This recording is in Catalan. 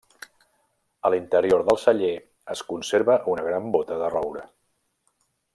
A l'interior del celler es conserva una gran bóta de roure.